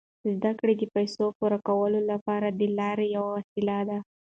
زده کړه د پیسو پوره کولو لپاره د لارې یوه وسیله ده.